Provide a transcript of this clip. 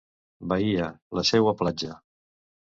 Baia, la seua platja.